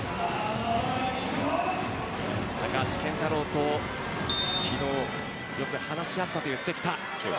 高橋健太郎と昨日、よく話し合ったという関田。